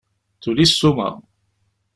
Tuli ssuma.